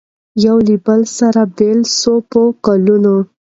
یو له بله سره بېل سو په کلونو